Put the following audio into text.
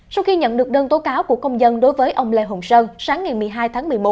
sau khi nhận được đơn tố cáo của công dân đối với ông lê hồng sơn sáng ngày một mươi hai tháng một mươi một